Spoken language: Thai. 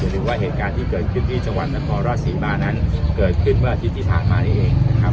เดี๋ยวดูว่าเหตุการณ์ที่เกิดขึ้นที่จังหวัดนักภอร์รอดศรีบานั้นเกิดขึ้นเมื่ออาทิตย์ที่ถามมาเองนะครับ